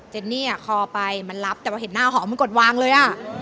เนนี่คอไปมันรับแต่ว่าเห็นหน้าหอมมันกดวางเลยอ่ะ